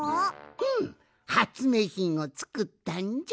ふむはつめいひんをつくったんじゃ。